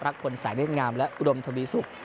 รักคนสายเล่นงามและอุดมทบีศุกร์